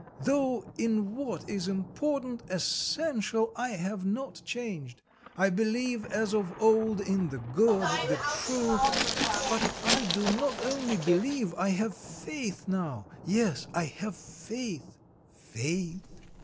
though in what is important, essential I have not changed; I believe as of old in the good, the true: but I do not only believe I have faith now, yes, I have faith, faith.